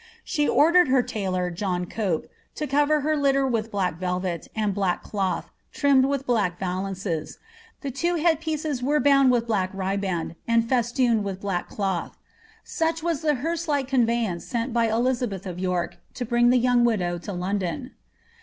She ordered her tailor, John Cope, to cover her litter with black velvet and' black cloth, trimmed about with black valances ; the two head pieces 'e « bound with black riband and festooned with black cloth. Such was the hearse like conveyance sent by Elizabeth of York to bring the troang widow to London.